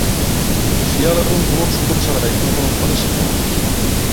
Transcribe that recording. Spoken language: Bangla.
শিয়াল এবং বুনো শূকর ছাড়া এখানে কোন প্রাণী ছিল না।